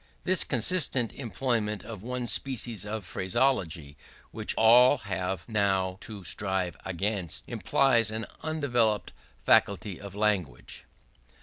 This constant employment of one species of phraseology, which all have now to strive against, implies an undeveloped faculty of language.